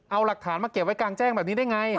เอาหลักฐานมาเก็บไว้กลางแจ้งแบบนี้ได้ไง